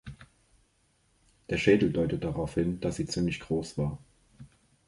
Der Schädel deutet darauf hin, dass sie ziemlich groß war.